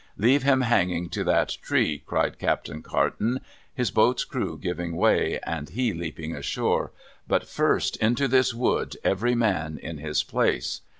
' Leave him hanging to that tree,' cried Captain Carton ; his boat's crew giving way, and he leaping ashore. ' But first into this wood, every man in his place.